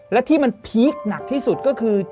และที่มันพีคหนักที่สุดก็คือ